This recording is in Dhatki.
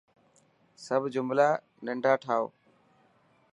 سب جملا ننڊا ٺائو.